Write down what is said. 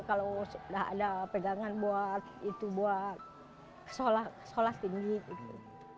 kalau sudah ada pegangan buat itu buat sekolah tinggi gitu